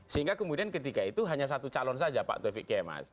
sehingga kemudian ketika itu hanya satu calon saja pak taufik kemas